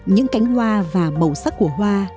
những cánh hoa và màu sắc của hoa